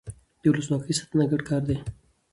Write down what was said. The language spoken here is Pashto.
د ولسواکۍ ساتنه ګډ کار دی